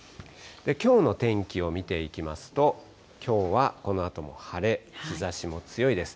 きょうの天気を見ていきますと、きょうはこのあとも晴れ、日ざしも強いです。